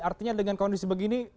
artinya dengan kondisi begini